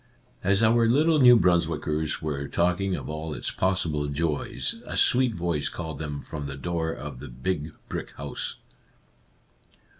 As our little New Brunswickers were talk ing of all its possible joys, a sweet voice called them from the door of the big brick house.